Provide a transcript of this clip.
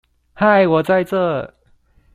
嗨我在這